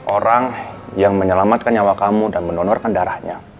orang yang menyelamatkan nyawa kamu dan mendonorkan darahnya